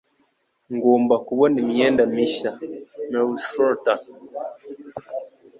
Ngomba kubona imyenda mishya. (meursault)